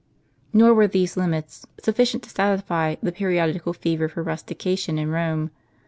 Nor were these limits sufficient to satisfy the periodical fever for rustication in Rome.